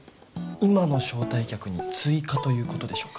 今の招待客に追加ということでしょうか？